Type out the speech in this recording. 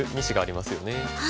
２子がありますよね。